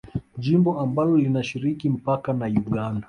Jimbo ambalo linashiriki mpaka na Uganda